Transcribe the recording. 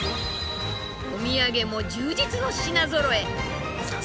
お土産も充実の品ぞろえ。